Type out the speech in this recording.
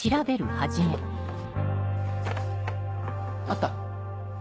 あった。